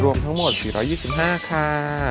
รวมทั้งหมด๔๒๕ค่ะ